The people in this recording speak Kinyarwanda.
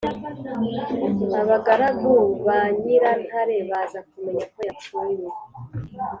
abagaragu ba nyirantare baza kumenya ko yapfuye